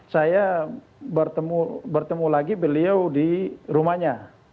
saya bertemu lagi beliau di rumahnya